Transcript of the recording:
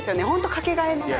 かけがえのない。